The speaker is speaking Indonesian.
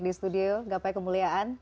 di studio gapai kemuliaan